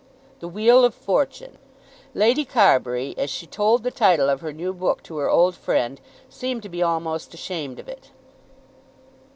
"'The Wheel of Fortune.'" Lady Carbury as she told the title of her new book to her old friend seemed to be almost ashamed of it.